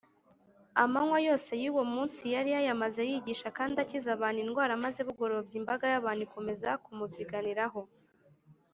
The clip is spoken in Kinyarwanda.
amanywa yose y’uwo munsi yari yayamaze yigisha kandi akiza abantu indwara, maze bugorobye imbaga y’abantu ikomeza kumubyiganiraho